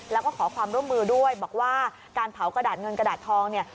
แล้วก็ขอความร่วมมือด้วยบอกว่าการเผากระดาษเงินกระดาษทองเนี่ย